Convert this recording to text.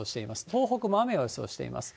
東北も雨を予想しています。